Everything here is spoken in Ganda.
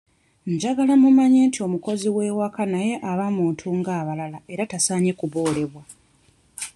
Njagala mumanye nti omukozi w'ewaka naye aba muntu ng'abalala era taasanye kuboolebwa.